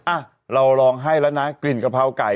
อ่ะเราลองให้แล้วนะกลิ่นกะเพราไก่